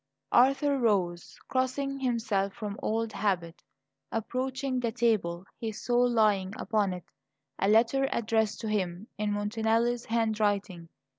Arthur rose, crossing himself from old habit. Approaching the table, he saw lying upon it a letter addressed to him, in Montanelli's handwriting.